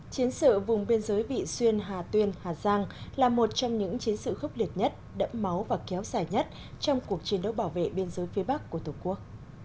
chiến sự vùng biên giới vị xuyên hà tuyên hà giang là một trong những chiến sự khốc liệt nhất đẫm máu và kéo dài nhất trong cuộc chiến đấu bảo vệ biên giới phía bắc của tổ quốc